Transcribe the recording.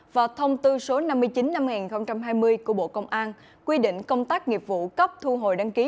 và thông tư số năm trăm chín mươi hai nghìn hai mươi ttbc của bộ công an quy định công tác nghiệp vụ cấp thu hồi đăng ký